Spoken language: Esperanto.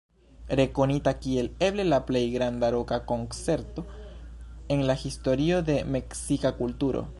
Rekonita kiel eble la plej granda roka koncerto en la historio de meksika kulturo.